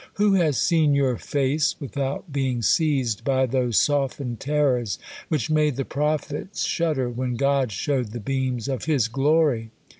"Who has seen your face without being seized by those softened terrors which made the prophets shudder when God showed the beams of his glory!